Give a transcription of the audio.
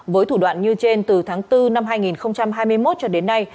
với thủ đoạn như trên từ tháng bốn năm hai nghìn hai mươi một cho đến nay